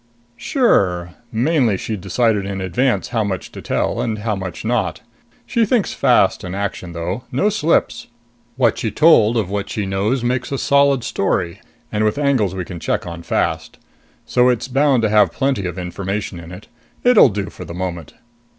"Sure. Mainly she'd decided in advance how much to tell and how much not. She thinks fast in action though! No slips. What she told of what she knows makes a solid story, and with angles we can check on fast. So it's bound to have plenty of information in it. It'll do for the moment."